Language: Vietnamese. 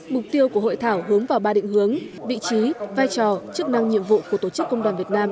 mục tiêu của hội thảo hướng vào ba định hướng vị trí vai trò chức năng nhiệm vụ của tổ chức công đoàn việt nam